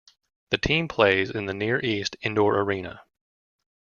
The team plays in the Near East Indoor Arena.